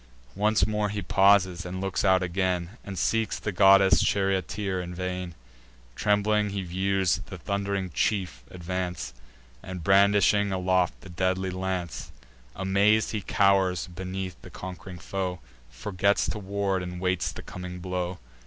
Once more he pauses, and looks out again, And seeks the goddess charioteer in vain. Trembling he views the thund'ring chief advance, And brandishing aloft the deadly lance: Amaz'd he cow'rs beneath his conqu'ring foe, Forgets to ward, and waits the coming blow.